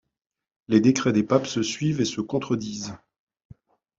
Les décrets des papes se suivent et se contredisent.